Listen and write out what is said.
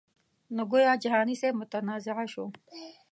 نو ګویا جهاني صاحب متنازعه شو.